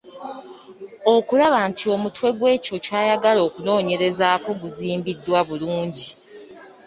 Okulaba nti omutwe gw’ekyo ky’ayagala okunoonyerezaako guzimbiddwa bulungi.